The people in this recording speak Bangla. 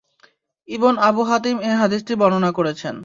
ইবন আবূ হাতিম এ হাদীসটি বর্ণনা করেছেন।